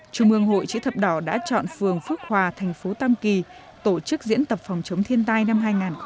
chủ mương hội chữ thập đỏ đã chọn phường phước hòa thành phố tam kỳ tổ chức diễn tập phòng chống thiên tai năm hai nghìn một mươi sáu